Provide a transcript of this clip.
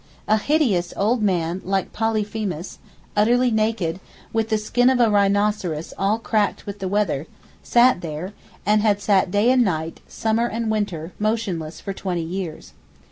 A hideous old man like Polyphemus, utterly naked, with the skin of a rhinoceros all cracked with the weather, sat there, and had sat day and night, summer and winter, motionless for twenty years.